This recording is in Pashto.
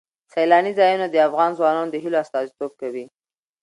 سیلانی ځایونه د افغان ځوانانو د هیلو استازیتوب کوي.